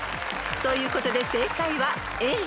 ［ということで正解はＡ］